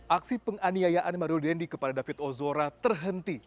aksi penganiayaan mario dendi kepada david ozora terhenti